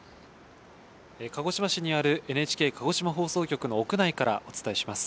鹿児島市にあるＮＨＫ鹿児島放送局の屋内からお伝えします。